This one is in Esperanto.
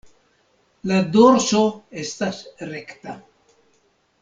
La dorso estas rekta.